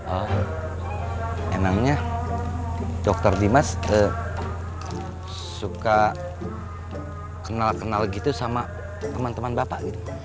oh emangnya dokter dimas suka kenal kenal gitu sama teman teman bapak gitu